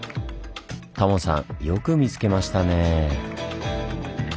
タモさんよく見つけましたね。